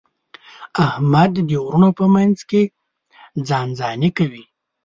احمد د وروڼو په منځ کې ځان ځاني کوي.